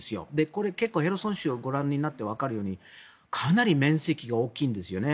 これ、結構ヘルソン州をご覧になってわかるようにかなり面積が大きいんですよね。